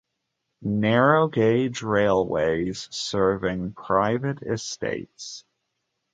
Narrow-gauge railways serving private estates.